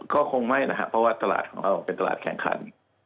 ก็คงไม่นะครับเพราะว่าตลาดของเราเป็นตลาดแข่งขัน